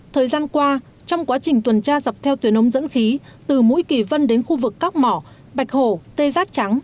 thời gian qua trong quá trình tuần tra dọc theo tuyển ống dẫn khí từ mũi kỳ vân đến khu vực cóc mỏ bạch hồ tê giác trắng